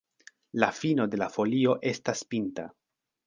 La fino de la folio estas pinta.